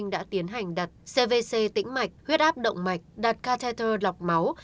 đã tiến hành đặt cvc tĩnh mạch huyết áp động mạch đặt cather lọc máu